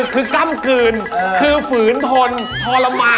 คือกำเกินคือฝืนทนทรมาน